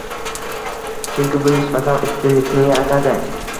Chunki bu nisbatan ustunlikni yaratadi